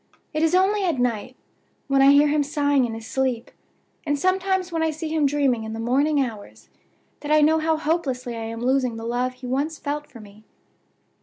It is only at night, when I hear him sighing in his sleep, and sometimes when I see him dreaming in the morning hours, that I know how hopelessly I am losing the love he once felt for me.